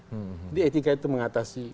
jadi etika itu mengatasi